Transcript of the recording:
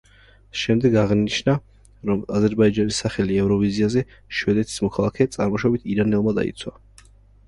შემდეგ აღინიშნა, რომ აზერბაიჯანი სახელი ევროვიზიაზე შვედეთის მოქალაქე, წარმოშობით ირანელმა დაიცვა.